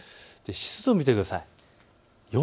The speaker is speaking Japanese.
湿度を見てください。